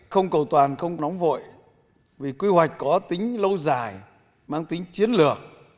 không cầu toàn không nóng vội vì quy hoạch có tính lâu dài mang tính chiến lược